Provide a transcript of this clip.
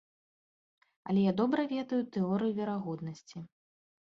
Але я добра ведаю тэорыю верагоднасці.